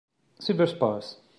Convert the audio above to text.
Silver Spurs